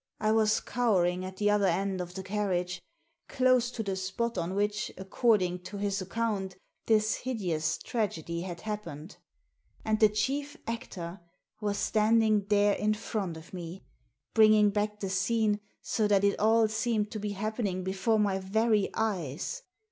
I was cowering at the other end of the carriage — close to the spot on which, according to his account, this hideous tragedy had happened. And the chief actor was standing there in front of me, bringing back the scene, so that it all seemed to be happening before my very eyes.